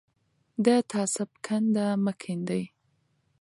د تعصب کنده مه کیندئ.